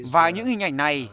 và những hình ảnh này